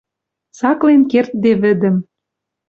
Цаклен кердде вӹдӹм —